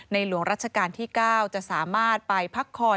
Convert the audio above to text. หลวงรัชกาลที่๙จะสามารถไปพักคอย